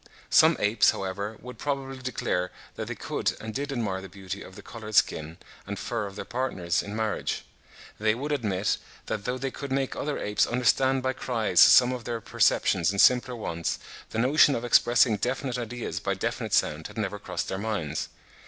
Some apes, however, would probably declare that they could and did admire the beauty of the coloured skin and fur of their partners in marriage. They would admit, that though they could make other apes understand by cries some of their perceptions and simpler wants, the notion of expressing definite ideas by definite sounds had never crossed their minds.